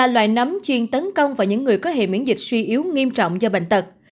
cống chuyên tấn công vào những người có hệ miễn dịch suy yếu nghiêm trọng do bệnh tật